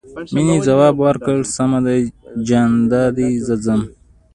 مينې ځواب ورکړ سمه ده جان دادی زه ځم.